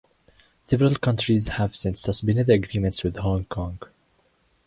Several countries have since suspended the agreements with Hong Kong.